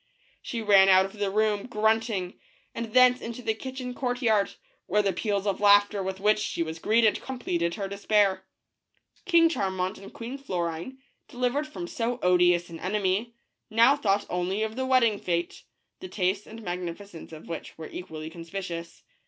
She ran out of the room grunting, and thence into the kitchen courtyard, where the peals of laughter with which she was greeted completed her despair. King Charmant and Queen Florine, delivered from so odious an enemy, now thought only of the wedding fete, the taste and magnificence of which were equally conspicuous.